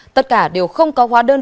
tất cả đều không có hóa đơn